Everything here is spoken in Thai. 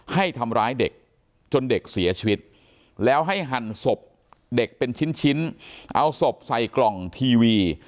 ให้ทำร้ายเด็กจนเด็กเสียชีวิตแล้วให้หั่นศพเด็กเป็นชิ้นเอาศพใส่กล่องทีวี